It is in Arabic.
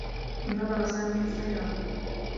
انتظر سامي في السّيّارة.